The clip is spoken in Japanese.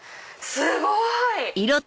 すごい！